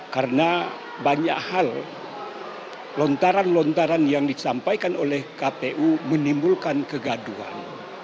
karena banyak hal lontaran lontaran yang disampaikan oleh kpu menimbulkan kegaduhan